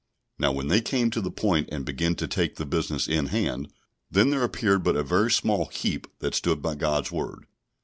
Now when they came to the point, and began to take the business in hand, then there appeared but a very small heap that stood by God's Word.